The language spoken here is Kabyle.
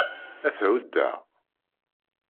Ad t-huddeɣ.